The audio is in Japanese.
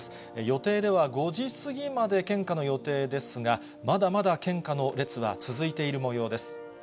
予定では５時過ぎまで献花の予定ですが、まだまだ献花の列は続いているもようです。